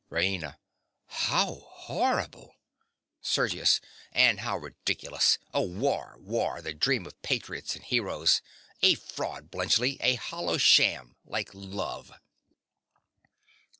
RAINA. How horrible! SERGIUS. And how ridiculous! Oh, war! war! the dream of patriots and heroes! A fraud, Bluntschli, a hollow sham, like love.